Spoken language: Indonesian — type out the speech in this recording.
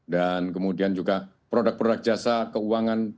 dan kemudian juga produk produk jasa keuangan